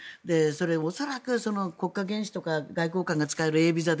恐らく国家元首とか外交官が使えるビザで